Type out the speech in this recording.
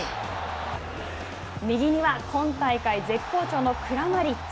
右には今大会絶好調のクラマリッチ。